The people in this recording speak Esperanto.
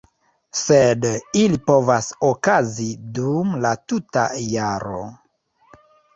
Sed ili povas okazi dum la tuta jaro.